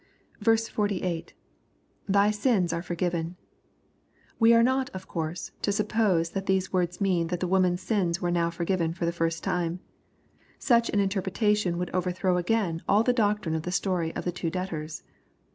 48. — [Thg sms are forgiven,] We are not^ of course, to suppose that these words mean that the woman's sins were now forgiven for the first time. Such an interpretation would overthrow again all the doctrine of the story of the two debtors.